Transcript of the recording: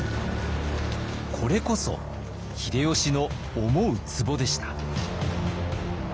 これこそ秀吉の思うつぼでした。